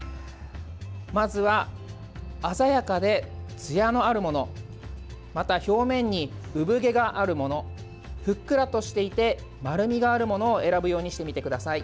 まずは鮮やかでつやのあるものまた表面に産毛があるものふっくらとしていて丸みがあるものを選ぶようにしてみてください。